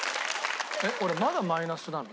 えっ俺まだマイナスなの？